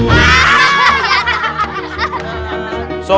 ini tuh esok